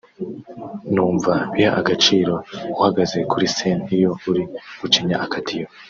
Numva biha agaciro uko uhagaze kuri scene iyo uri gucinya akadiho